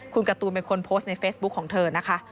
คุณการ์ตูนเป็นคนโพสต์ในเฟซบุ๊คของเธอนะคะ